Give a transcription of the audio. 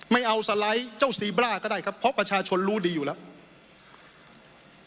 ไม่เอาสไลด์เจ้าซีบร่าก็ได้ครับเพราะประชาชนรู้ดีอยู่แล้ว